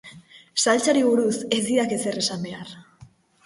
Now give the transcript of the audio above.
Saltsari buruz ez didak ezer esan behar.